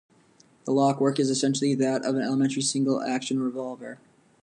The lockwork is essentially that of an elementary single action revolver.